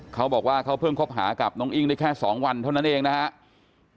เขาบอกว่าเขาเพิ่งคบหากับน้องอิ้งได้แค่๒วันเท่านั้นเองนะครับ